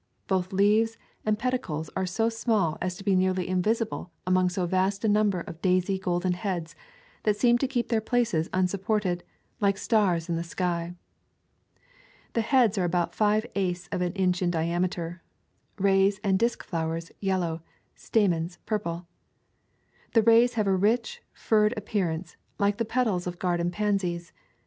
Both leaves and pedicles are so small as to be nearly invisible among so vast a number of daisy golden heads that seem to keep their places unsupported, like stars in the sky. The heads are about five eighths of an inch in diameter; rays and disk flowers, yellow; stamens, purple. The rays have a rich, furred appearance, like the petals of garden pansies.